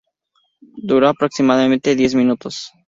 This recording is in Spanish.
Dura aproximadamente diez minutos.